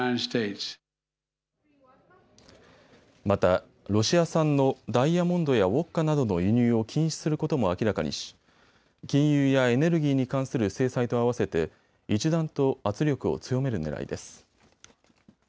また、ロシア産のダイヤモンドやウォッカなどの輸入を禁止することも明らかにし金融やエネルギーに関する制裁と合わせて一段と圧力を強めるねらいです。